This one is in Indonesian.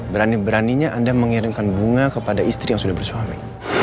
berani beraninya anda mengirimkan bunga kepada istri yang sudah bersuami